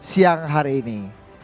siang hari ini